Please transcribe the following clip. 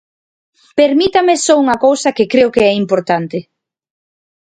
Permítame só unha cousa que creo que é importante.